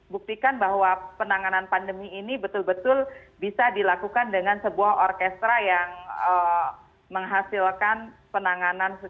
buktikan bahwa penanganan pandemi ini betul betul bisa dilakukan dengan sebuah orkestra yang menghasilkan penanganan